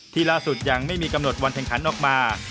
ล่าสุดยังไม่มีกำหนดวันแข่งขันออกมา